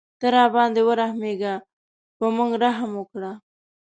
ته راباندې ورحمېږه په موږ رحم وکړه.